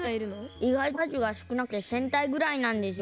いがいとかずがすくなくて１，０００体ぐらいなんですよ。